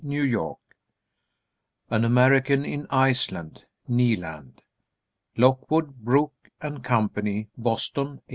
New York._ "An American in Iceland," Kneeland. _Lockwood, Brooke & Co., Boston, 1876.